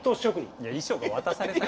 いや衣装が渡された。